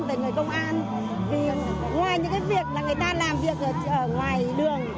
tại người công an ngoài những việc người ta làm việc ở ngoài đường